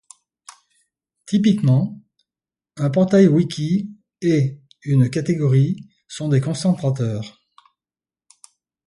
Typiquement, un portail wiki et une catégorie sont des concentrateurs.